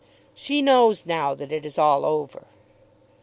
"] "She knows now that it is all over."